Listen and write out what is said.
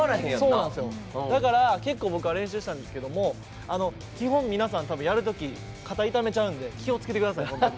だから、僕は結構練習したんですけど基本、皆さんやるとき肩、痛めちゃうんで気をつけてください、本当に。